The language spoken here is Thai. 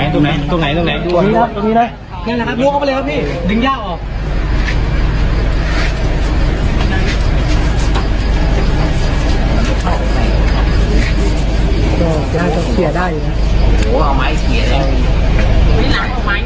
โอ้โหเอาไม้เกลียดได้